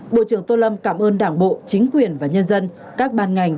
bộ trưởng tô lâm cảm ơn đảng bộ chính quyền và nhân dân các ban ngành